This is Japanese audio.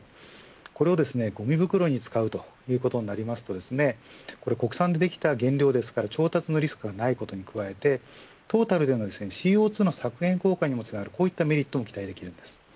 これをごみ袋に使うということになりますと国産でできた原料ですから調達のリスクがないことに加えてトータルでのＣＯ２の削減効果にもつながるこういったメリットも期待できるんです。